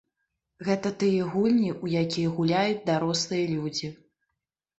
Гэта тыя гульні, у якія гуляюць дарослыя людзі.